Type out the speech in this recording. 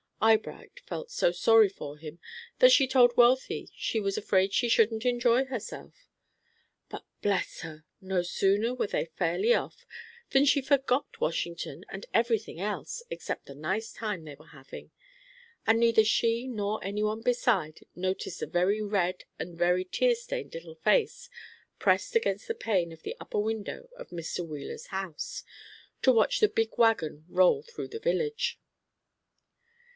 Eyebright felt so sorry for him that she told Wealthy she was afraid she shouldn't enjoy herself; but bless her! no sooner were they fairly off, than she forgot Washington and every thing else, except the nice time they were having; and neither she nor any one beside noticed the very red and very tear stained little face, pressed against the pane of the upper window of Mr. Wheeler's house, to watch the big wagon roll through the village.